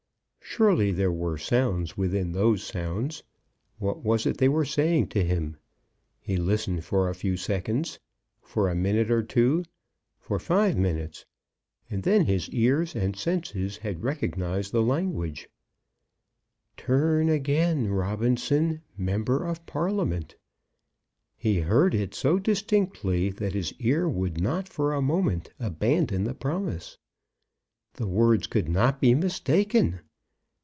Surely there were words within those sounds. What was it they were saying to him? He listened for a few seconds, for a minute or two, for five minutes; and then his ear and senses had recognized the language "Turn again, Robinson, Member of Parliament." He heard it so distinctly that his ear would not for a moment abandon the promise. The words could not be mistaken.